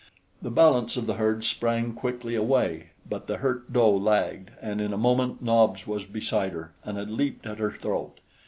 The balance of the herd sprang quickly away; but the hurt doe lagged, and in a moment Nobs was beside her and had leaped at her throat.